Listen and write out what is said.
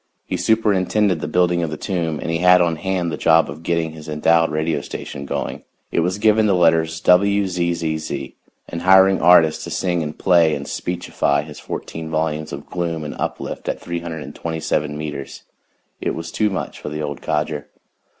He superintended the building of the tomb and he had on hand the job of getting his endowed radio station going it was given the letters WZZZ and hiring artists to sing and play and speechify his fourteen volumes of gloom and uplift at 327 meters, and it was too much for the old codger.